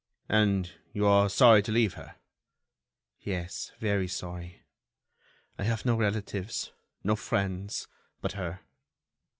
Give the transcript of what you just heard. "And you are sorry to leave her?" "Yes, very sorry. I have no relatives, no friends—but her."